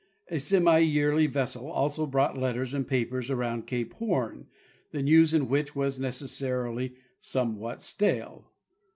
A semi yearly vessel also brought letters and papers around cape Horn, the news in which was neces sarily somewhat stale.